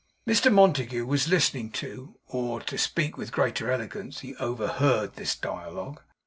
Mr Montague was listening to, or, to speak with greater elegance, he overheard, this dialogue.